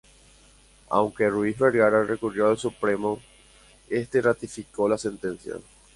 Aunque Ruiz Vergara recurrió al Supremo, este ratificó la sentencia.